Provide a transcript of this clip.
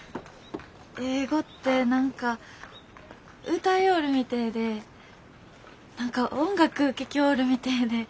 英語って何か歌ようるみてえで何か音楽ぅ聴きょうるみてえで。